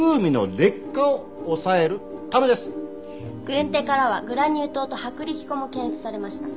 軍手からはグラニュー糖と薄力粉も検出されました。